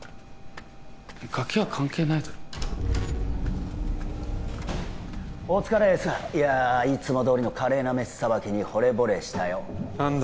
ガキは関係ないだろお疲れエースいつもどおりの華麗なメスさばきにほれぼれしたよ何だ？